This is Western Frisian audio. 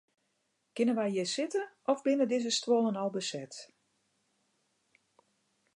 Kinne wy hjir sitte of binne dizze stuollen al beset?